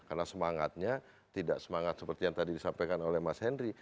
karena semangatnya tidak semangat seperti yang tadi disampaikan oleh mas henry